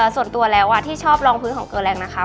ส่วนตัวแล้วที่ชอบลองพื้นของเกอร์แรงนะคะ